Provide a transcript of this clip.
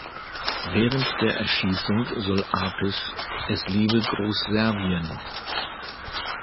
Während der Erschießung soll Apis „Es lebe Großserbien!